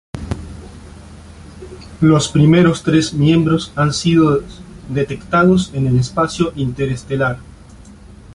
Los primeros tres miembros han sido detectados en el espacio interestelar.